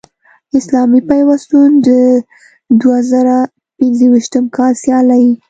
اسلامي پیوستون د دوه زره پنځویشتم کال سیالۍ